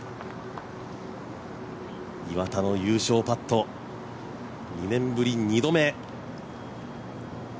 岩田の優勝パット、２年ぶり２度目。